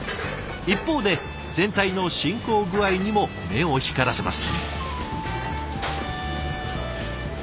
一方で全体の進行具合にも目を光らせます。